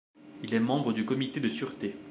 Il est membre du Comité de sûreté.